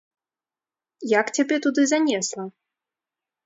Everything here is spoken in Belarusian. Як цябе туды занесла?